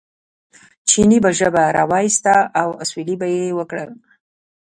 چیني به ژبه را وویسته او اسوېلی به یې وکړ.